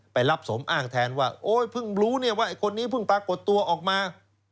ไปรับสมอ้างแทนว่าโอ๊ยเพิ่งรู้เนี่ยว่าไอ้คนนี้เพิ่งปรากฏตัวออกมา